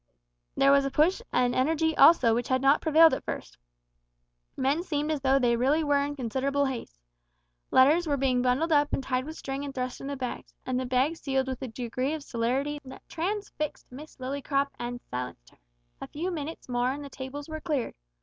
There was a push and energy also which had not prevailed at first. Men seemed as though they really were in considerable haste. Letters were being bundled up and tied with string and thrust into bags, and the bags sealed with a degree of celerity that transfixed Miss Lillycrop and silenced her. A few minutes more and the tables were cleared.